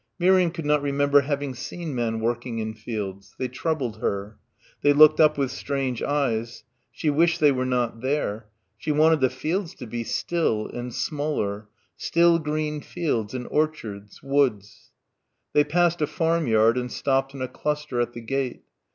Miriam could not remember having seen men working in fields. They troubled her. They looked up with strange eyes. She wished they were not there. She wanted the fields to be still and smaller. Still green fields and orchards ... woods.... They passed a farmyard and stopped in a cluster at the gate.